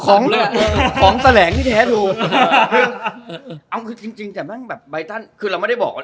ของของแสลงที่แท้ดูเอาคือจริงจริงแต่แม่งแบบไบตันคือเราไม่ได้บอกว่า